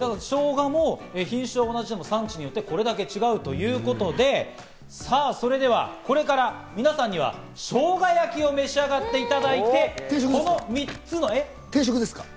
しょうがも品種は同じでも産地によって、これだけ違うということで、さぁ、それではこれから皆さんには、しょうが焼きを召し上がって定食ですか？